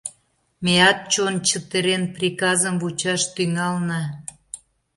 Меат, чон чытырен, приказым вучаш тӱҥална.